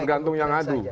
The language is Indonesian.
tergantung yang adu